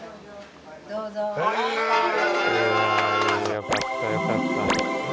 よかったよかった。